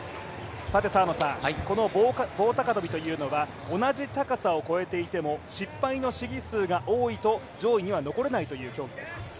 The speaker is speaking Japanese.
澤野さん、この棒高跳は同じ高さを越えていても失敗の試技数が多いと上位には残れないという競技です。